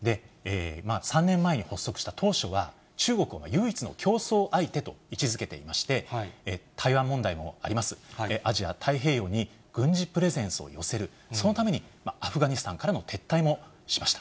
３年前に発足した当初は中国を唯一の競争相手と位置づけていまして、台湾問題もあります、アジア太平洋に軍事プレゼンスを寄せる、そのためにアフガニスタンからの撤退もしました。